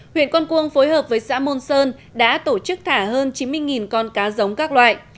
huyện con cuông phối hợp với xã môn sơn đã tổ chức thả hơn chín mươi con cá giống các loại